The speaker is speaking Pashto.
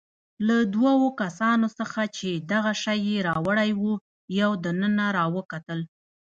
له دوو کسانو څخه چې دغه شی يې راوړی وو، یو دننه راوکتل.